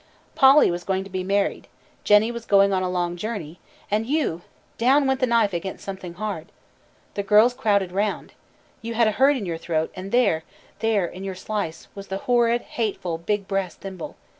"Polly was going to be married, Jennie was going on a long journey, and you down went the knife against something hard. The girls crowded round. You had a hurt in your throat, and there, there, in your slice, was the horrid, hateful, big brass thimble.